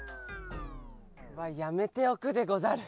はやめておくでござる。